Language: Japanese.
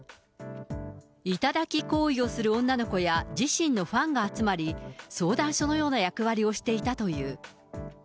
頂き行為をする女の子や、自身のファンが集まり、相談所のような役割をしていたという。